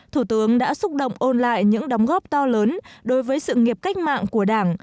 thủ tướng đã xúc động ôn lại những đóng góp to lớn đối với sự nghiệp cách mạng của đảng